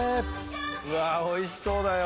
うわおいしそうだよ